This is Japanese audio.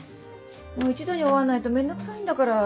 一度に終わんないと面倒くさいんだから。